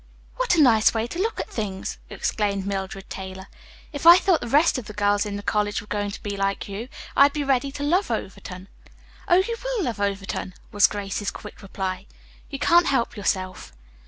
"What a nice way to look at things!" exclaimed Mildred Taylor. "If I thought the rest of the girls in the college were going to be like you, I'd be ready to love Overton." "Oh, you will love Overton," was Grace's quick reply. "You can't help yourself."